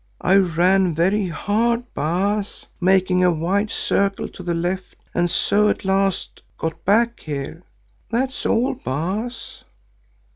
I ran very hard, Baas, making a wide circle to the left, and so at last got back here. That's all, Baas."